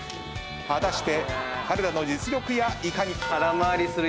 果たして彼らの実力やいかに。